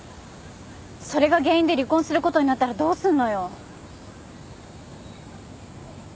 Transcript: それが原因で離婚することになったらどうすんのよ？